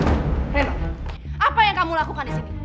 reno apa yang kamu lakukan di sini